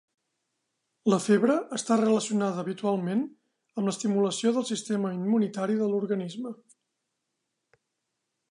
La febre està relacionada habitualment amb l'estimulació del sistema immunitari de l'organisme.